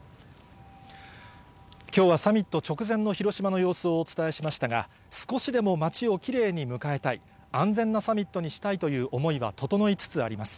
きょうはサミット直前の広島の様子をお伝えしましたが、少しでも町をきれいに迎えたい、安全なサミットにしたいという思いは整いつつあります。